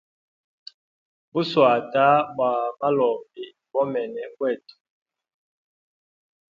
Bu shwata bwa malombi ibomene bwetu.